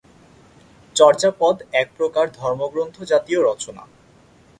চর্যাপদ একপ্রকার ধর্মগ্রন্থজাতীয় রচনা।